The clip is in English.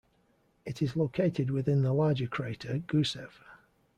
It is located within the larger crater Gusev.